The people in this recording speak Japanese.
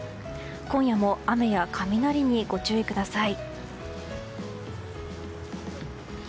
今夜も雨や雷にご注意ください。